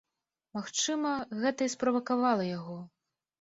Магчыма, гэта і справакавала яго.